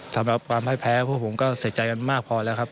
สำหรับความให้แพ้พวกผมก็เสียใจกันมากพอแล้วครับ